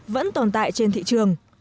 vẫn tồn tại trên thị trường